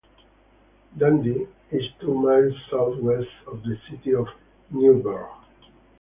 Dundee is two miles southwest of the city of Newberg.